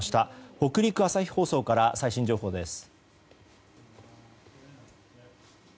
北陸朝日放送から最新情報です。